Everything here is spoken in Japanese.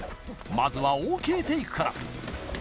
まずはＯＫテイクから